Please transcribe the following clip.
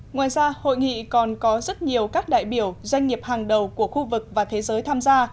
ngoài ra hội nghị còn có rất nhiều các đại biểu doanh nghiệp hàng đầu của khu vực và thế giới tham gia